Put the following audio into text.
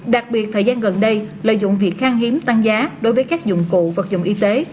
đặc biệt thời gian gần đây lợi dụng việc khang hiếm tăng giá đối với các dụng cụ vật dụng y tế